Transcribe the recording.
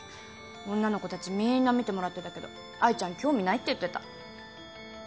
女の子たちみーんな見てもらってたけど愛ちゃん興味ないって言ってた。